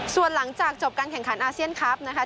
ส่วนหลังจากจบการแข่งขันอาเซียนคลับนะคะ